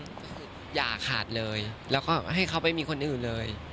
ก็คืออย่าขาดเลยแล้วก็ให้เขาไปมีคนอื่นเลย